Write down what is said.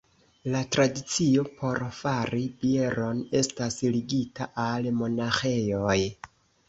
La tradicio por fari bieron estas ligita al monaĥejoj.